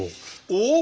おっ！